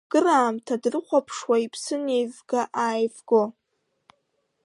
Акыраамҭа дрыхәаԥшуа, иԥсы неивга-ааивго, …